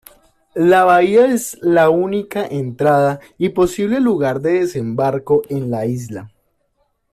La bahía es la única entrada y posible lugar de desembarco en la isla.